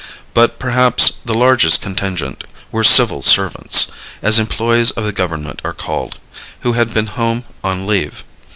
But perhaps the largest contingent were "civil servants," as employes of the government are called, who had been home on leave.